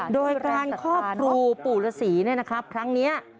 โดยการครอบครูปู่ละศรีนี่นะครับครั้งนี้